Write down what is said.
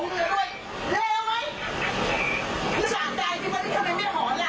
ผู้ดาออกทีวีเลย